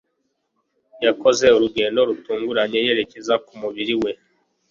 Yakoze urugendo rutunguranye yerekeza ku mubiri we